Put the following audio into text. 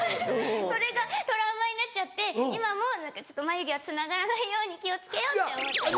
それがトラウマになっちゃって今も眉毛はつながらないように気を付けようって思ってます。